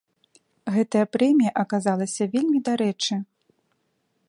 Гэтая прэмія аказалася вельмі дарэчы.